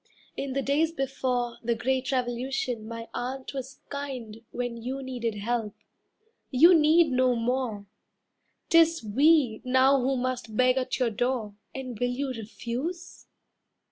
In the days before The Great Revolution my aunt was kind When you needed help. You need no more; 'Tis we now who must beg at your door, And will you refuse?"